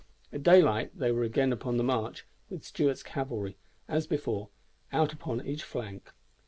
At daylight they were again upon the march, with Stuart's cavalry, as before, out upon each flank.